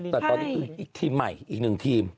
แต่ตอนนี้คืออีกทีมใหม่อีกหนึ่งทีม